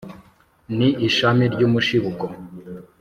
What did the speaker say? ni ishami ry’umushibuko